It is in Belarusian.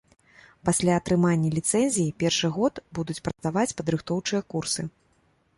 Пасля атрымання ліцэнзіі першы год будуць працаваць падрыхтоўчыя курсы.